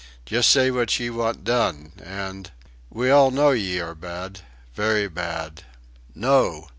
Just say what ye want done, and.... We all know ye are bad very bad...." No!